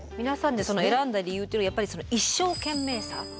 皆さんで選んだ理由っていうのはやっぱり一生懸命さ。